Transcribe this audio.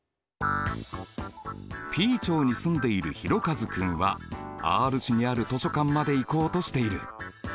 Ｐ町に住んでいるひろかず君はＲ市にある図書館まで行こうとしている。